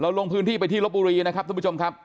ลงพื้นที่ไปที่ลบบุรีนะครับท่านผู้ชมครับ